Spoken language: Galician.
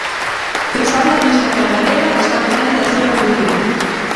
Persoal da Administración galega está pendente da súa evolución.